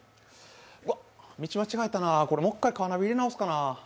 うわ、道間違えたなあ、これもう一回カーナビ入れ直すかなあ。